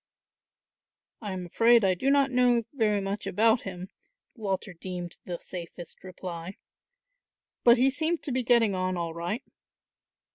"I am afraid I do not know very much about him," Walter deemed the safest reply; "but he seemed to be getting on all right."